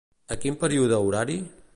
A quin període horari?